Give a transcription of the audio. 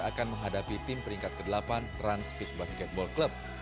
akan menghadapi tim peringkat ke delapan transpik basketball club